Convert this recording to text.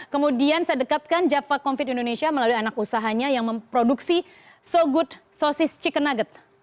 kemudian saya dekatkan java covid indonesia melalui anak usahanya yang memproduksi so good sosis chicken nugget